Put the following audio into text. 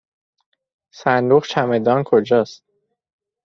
صندوق چمدان کجاست؟